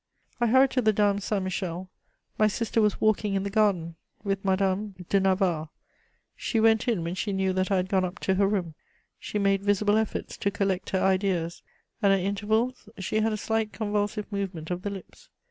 I hurried to the Dames Saint Michel; my sister was walking in the garden with Madame de Navarre; she went in when she knew that I had gone up to her room. She made visible efforts to collect her ideas, and at intervals she had a slight convulsive movement of the lips.